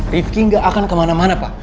rifki nggak akan kemana mana pak